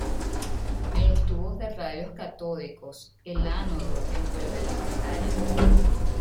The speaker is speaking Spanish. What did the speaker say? En los tubos de rayos catódicos el ánodo envuelve la pantalla.